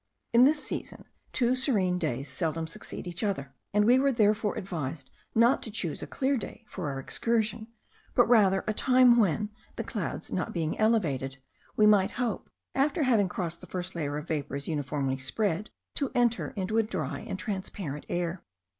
In this season two serene days seldom succeed each other, and we were therefore advised not to choose a clear day for our excursion, but rather a time when, the clouds not being elevated, we might hope, after having crossed the first layer of vapours uniformly spread, to enter into a dry and transparent air.